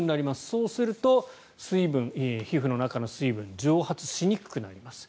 そうすると、皮膚の中の水分が蒸発しにくくなります。